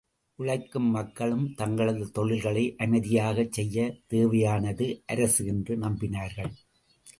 உழைக்கும் மக்களும், தங்களது தொழில்களை அமைதியாகச் செய்யத் தேவையானது அரசு என்று நம்பினார்கள்.